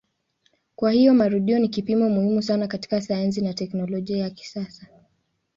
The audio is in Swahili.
Kwa hiyo marudio ni kipimo muhimu sana katika sayansi na teknolojia ya kisasa.